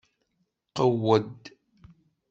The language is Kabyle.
Qewwed!